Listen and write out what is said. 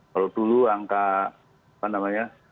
kalau dulu angka apa namanya